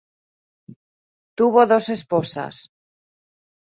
Tuvo dos esposas.